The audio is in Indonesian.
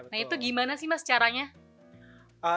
nah itu gimana sih mas caranya